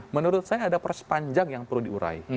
menurut saya ada proses panjang yang perlu diurai